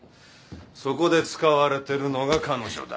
そこで使われてるのが彼女だ。